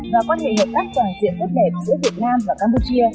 và quan hệ hợp tác toàn diện tốt đẹp giữa việt nam và campuchia